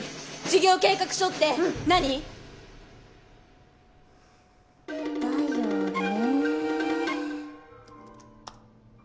事業計画書って何？だよね。